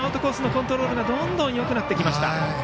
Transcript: コントロールがどんどんよくなってきました。